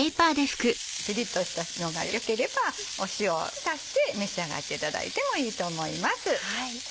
ピリっとしたのがよければ塩を足して召し上がっていただいてもいいと思います。